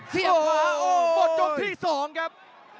เสียบขวาโอ้โหหมดโจทย์ที่สองครับ